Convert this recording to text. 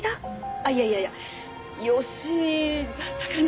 あっいやいやいや吉井だったかな？